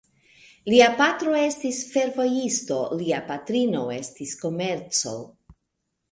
Lia patro estis fervojisto, lia patrino estis komerco.